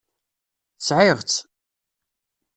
Sɛiɣ-tt.